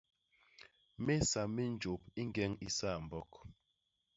Mésa mi njôp i ñgeñ isambok.